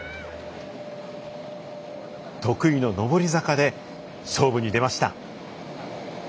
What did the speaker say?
得意の上り坂で勝負に出ました。